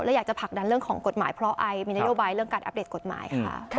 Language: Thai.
และอยากจะผลักดันเรื่องของกฎหมายเพราะไอมีนโยบายเรื่องการอัปเดตกฎหมายค่ะ